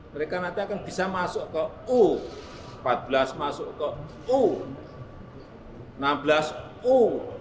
mereka nanti akan bisa masuk ke u empat belas masuk ke u enam belas u dua puluh